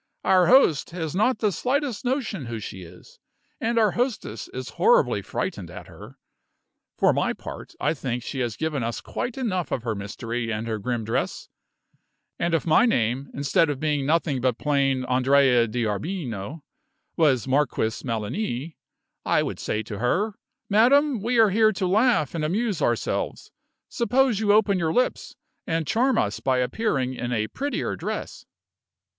Our host has not the slightest notion who she is; and our hostess is horribly frightened at her. For my part, I think she has given us quite enough of her mystery and her grim dress; and if my name, instead of being nothing but plain Andrea D'Arbino, was Marquis Melani, I would say to her: 'Madam, we are here to laugh and amuse ourselves; suppose you open your lips, and charm us by appearing in a prettier dress!